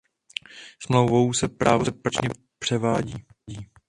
Smlouvou se právo skutečně převádí.